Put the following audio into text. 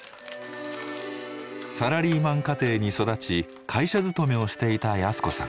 サラリーマン家庭に育ち会社勤めをしていた靖子さん。